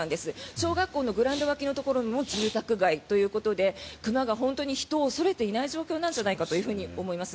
小学校のグラウンド脇のところの住宅街ということで熊が本当に人を恐れていない状況なんじゃないかと思います。